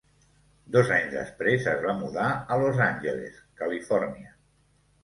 Dos anys després, es va mudar a Los Angeles, Califòrnia.